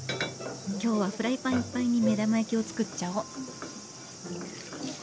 今日はフライパンいっぱいに目玉焼きを作っちゃおう。